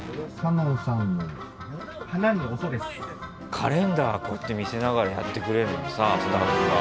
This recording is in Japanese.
カレンダーこうやって見せながらやってくれるのさスタッフが。